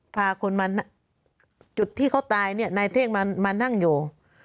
พาคนมาจุดที่เขาตายเนี่ยนายเท่งมานั่งอยู่